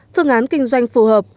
phương án kinh doanh phù hợp